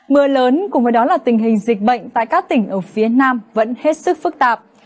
mưa lớn cùng với đó là tình hình dịch bệnh tại các tỉnh ở phía nam vẫn hết sức phức tạp